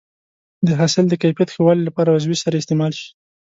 د حاصل د کیفیت ښه والي لپاره عضوي سرې استعمال شي.